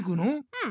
うん。